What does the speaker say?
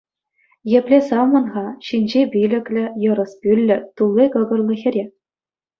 Епле савмӑн-ха ҫинҫе пилӗклӗ, йӑрӑс пӳллӗ, тулли кӑкӑрлӑ хӗре?